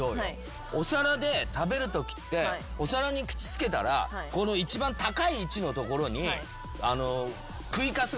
お皿で食べるときってお皿に口付けたらこの一番高い位置のところに食いかすが付くんですよ。